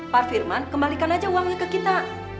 pak firman kembalikan aja uangnya ke kita